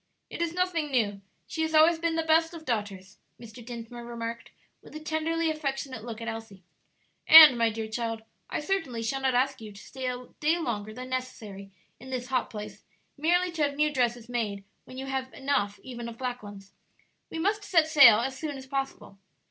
"It is nothing new; she has always been the best of daughters," Mr. Dinsmore remarked, with a tenderly affectionate look at Elsie. "And, my dear child, I certainly shall not ask you to stay a day longer than necessary in this hot place, merely to have new dresses made when you have enough even of black ones. We must set sail as soon as possible.